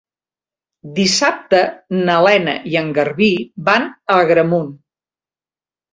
Dissabte na Lena i en Garbí van a Agramunt.